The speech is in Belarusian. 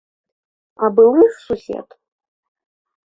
А былы ж сусед!